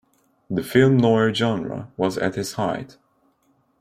The film noir genre was at its height.